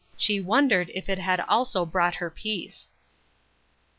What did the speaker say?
She wondered if it had also brought her peace.